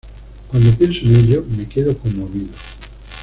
Cuando pienso en ello, me quedo conmovido.